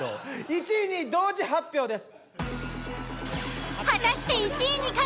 １位２位同時発表です。